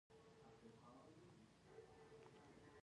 زده کړه نجونو ته د مشرانو قدر ور زده کوي.